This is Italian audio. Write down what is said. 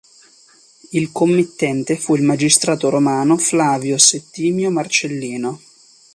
Il committente fu il magistrato romano Flavio Settimio Marcellino.